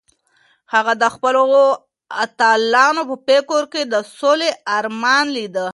هغه د خپلو اتلانو په فکر کې د سولې ارمان لیده.